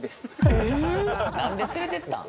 なんで連れてったん？